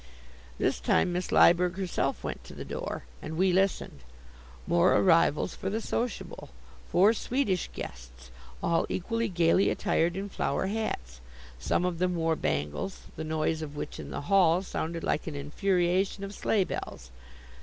This time Miss Lyberg herself went to the door, and we listened. More arrivals for the sociable; four Swedish guests, all equally gaily attired in flower hats. Some of them wore bangles, the noise of which, in the hall, sounded like an infuriation of sleigh bells.